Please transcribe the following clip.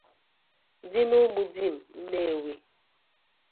dị n'Ụmụdim Nnewi